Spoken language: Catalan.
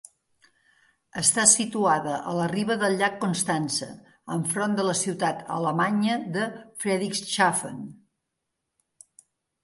Està situada a la riba del llac Constança enfront de la ciutat alemanya de Friedrichshafen.